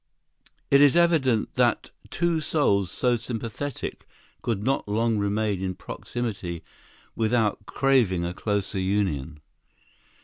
It is evident that two souls so sympathetic could not long remain in proximity without craving a closer union.